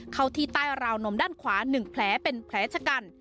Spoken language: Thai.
เข้าที่ใต้ราวนมด้านขวา๑แผลเป็นแผลชะกัน